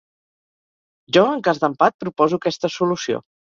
Jo, en cas d'empat, proposo aquesta solució.